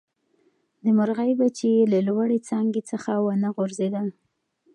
د مرغۍ بچي له لوړې څانګې څخه ونه غورځېدل.